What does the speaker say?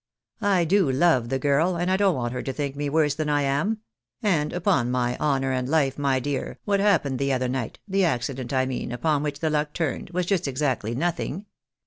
I do love the girl, and I don't want her to think me worse than I am ; and upon my honour and life, my dear, what happened the other night, the accident I mean upon which the luck turned, was just exactly notliing.